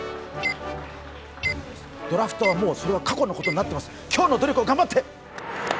ドラフトはもう過去のことになってます、今日の努力を頑張って！